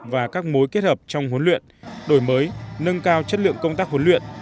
và các mối kết hợp trong huấn luyện đổi mới nâng cao chất lượng công tác huấn luyện